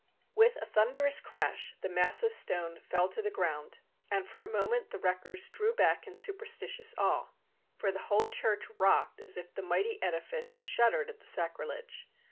With a thunderous crash the mass of stone fell to the ground, and for a moment the wreckers drew back in superstitious awe, for the whole church rocked, as if the mighty edifice shuddered at the sacrilege.